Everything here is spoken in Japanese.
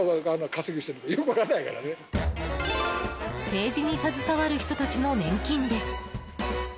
政治に携わる人たちの年金です。